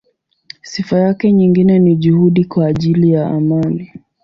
Sifa yake nyingine ni juhudi kwa ajili ya amani.